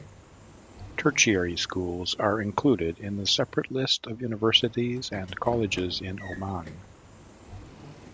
Tertiary schools are included in the separate list of universities and colleges in Oman.